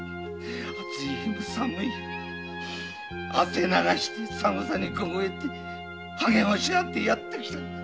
暑い日も寒い日も汗流して寒さに凍えて励まし合ってやって来たんだ。